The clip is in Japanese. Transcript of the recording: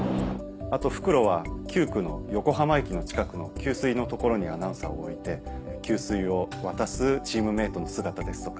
あと復路は９区の横浜駅の近くの給水の所にアナウンサーを置いて給水を渡すチームメートの姿ですとか。